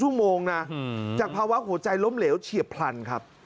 หือหือจากภาวะหัวใจล้มเหลวเฉียบพลันครับ